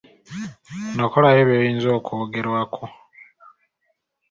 Nokolayo by’oyinza okwogerakwo.